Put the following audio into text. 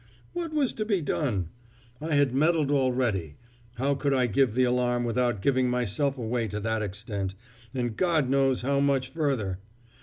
What was to be done? I had meddled already; how could I give the alarm without giving myself away to that extent, and God knows how much further?